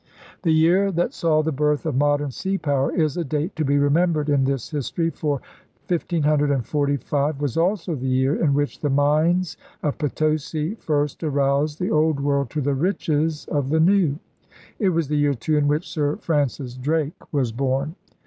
The year that saw the birth of modern sea power is a date to be remembered in this history; for 1545 was also the year in which the mines of Potosi first aroused the Old World to the riches of the New; it was the year, too, in which Sir Francis Drake was born.